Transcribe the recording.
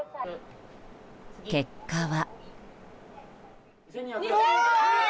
結果は。